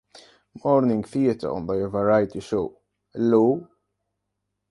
Morning Theatre on their variety show, Hello!